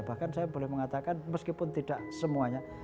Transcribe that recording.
bahkan saya boleh mengatakan meskipun tidak semuanya